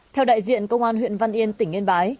theo đại diện công an huyện văn yên tỉnh yên bái